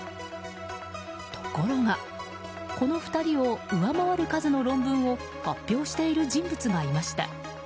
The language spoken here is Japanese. ところがこの２人を上回る数の論文を発表している人物がいました。